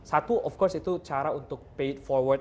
satu of course itu cara untuk pay forward